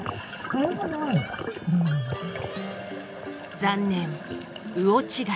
残念魚違い。